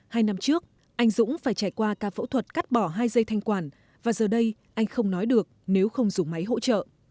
hai năm trước anh dũng phải trải qua ca phẫu thuật cắt bỏ hai dây thanh quản và giờ đây anh không nói được nếu không dùng máy hỗ trợ